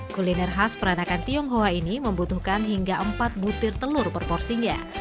kuliner khas peranakan tionghoa ini membutuhkan hingga empat butir telur per porsinya